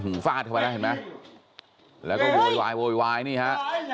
ฟาดเข้าไปแล้วเห็นไหมแล้วก็โวยวายโวยวายนี่ฮะ